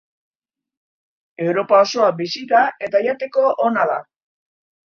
Europa osoan bizi da eta jateko ona da.